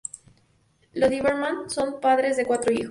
Los Lieberman son padres de cuatro hijos.